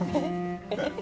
えっ。